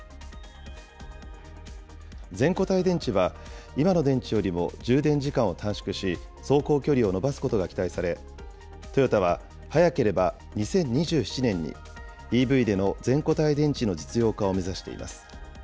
全固体電池は、今の電池よりも充電時間を短縮し、走行距離を伸ばすことが期待され、トヨタは早ければ２０２７年に、ＥＶでの全固体電池の実用化を目指しています。